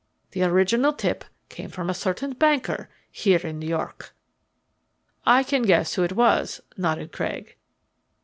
The original tip came from a certain banker here in New York." "I can guess who it was," nodded Craig.